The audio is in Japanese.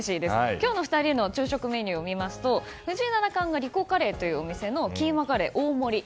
今日の２人の昼食メニューを見ますと藤井七冠がｒｉｃｏｃｕｒｒｙというお店のキーマカレー大盛り。